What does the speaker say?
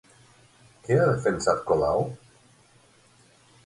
Què ha defensat Colau?